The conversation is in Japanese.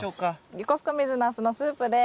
よこすか水なすのスープです。